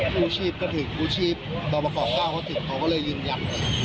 ผู้ชีพก็ถึงผู้ชีพบรบประกอบก้าวเขาถึงเขาก็เลยยืนยั่น